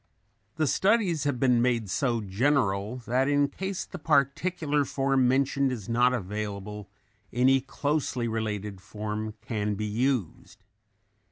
The studies have been made so general that in case the particular form mentioned is not available any closely related form can be used.